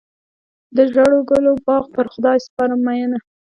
د ژړو ګلو باغ پر خدای سپارم مینه.